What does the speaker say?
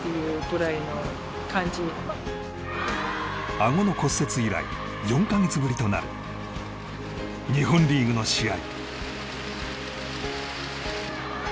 あごの骨折以来４か月ぶりとなる日本リーグの試合。